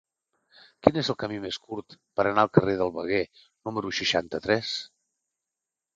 Quin és el camí més curt per anar al carrer del Veguer número seixanta-tres?